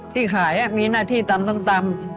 ที่ขายมีหน้าที่ตำส้มตำ